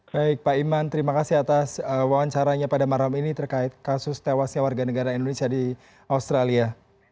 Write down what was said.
baik pak iman terima kasih atas wawancaranya pada malam ini terkait kasus tewasnya warga negara indonesia di australia